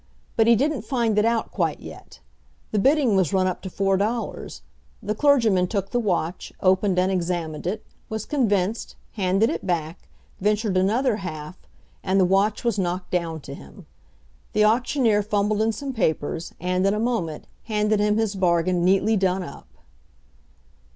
But he didn't find it out quite yet. The bidding was run up to four dollars; the clergyman took the watch, opened and examined it; was convinced, handed it back, ventured another half, and the watch was knocked down to him. The auctioneer fumbled in some papers, and, in a moment, handed him his bargain neatly done up.